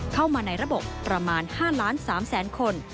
เข้ามาในระบบประมาณ๕๓๐๐๐๐๐คน